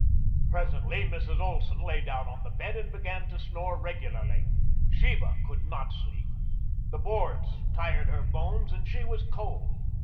Presently Mrs. Olson lay down on the bed and began to snore regularly. Sheba could not sleep. The boards tired her bones and she was cold.